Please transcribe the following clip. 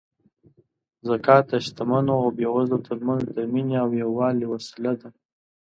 زکات د شتمنو او بېوزلو ترمنځ د مینې او یووالي وسیله ده.